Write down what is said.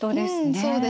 そうですね。